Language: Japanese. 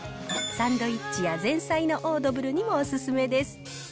サンドイッチや前菜のオードブルにもおすすめです。